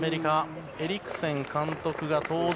エリクセン監督が登場。